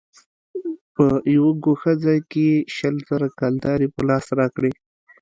په يوه گوښه ځاى کښې يې شل زره کلدارې په لاس راکړې.